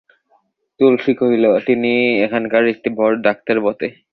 তুলসী কহিল, তিনি এখানকার একটি বড়ো ডাক্তার বটে।